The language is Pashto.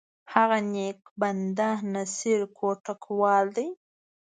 هغه نیک بنده، نصیر کوټوال دی!